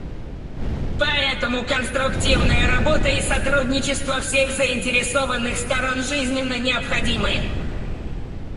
Поэтому конструктивная работа и сотрудничество всех заинтересованных сторон жизненно необходимы.